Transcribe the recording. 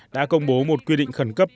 đã công bố một quy định khẩn cấp